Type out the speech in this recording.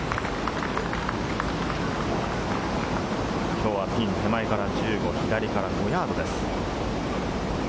きょうはピン手前から１５、左から５ヤードです。